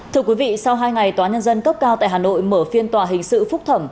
thưa quý vị sau hai ngày tòa nhân dân cấp cao tại hà nội mở phiên tòa hình sự phúc thẩm